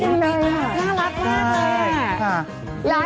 น่ารักมากเลย